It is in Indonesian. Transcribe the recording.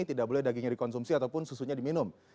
tidak boleh dagingnya dikonsumsi ataupun susunya diminum